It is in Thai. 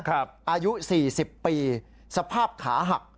อายุ๔๐ปีสภาพขาหัก